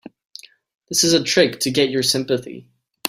This is a trick to get your sympathy.